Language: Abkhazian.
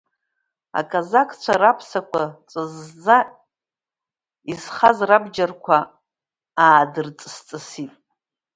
Аказақцәа раԥсақәа ҵәызӡа изхаз рабџьарқәа аадырҵыс-ҵысит.